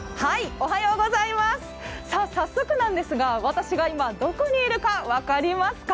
早速なんですが、私が今どこにいるか分かりますか？